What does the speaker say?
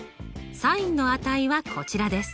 ｓｉｎの値はこちらです。